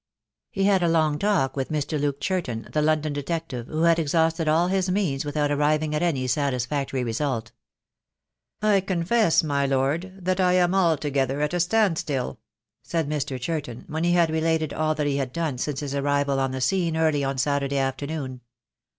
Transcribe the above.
He had a long talk with Mr. Luke Churton, the Lon don detective, who had exhausted all his means without arriving at any satisfactory result. "I confess, my Lord, that I am altogether at a stand still," said Mr. Churton, when he had related all that he had done since his arrival on the scene early on Saturday afternoon.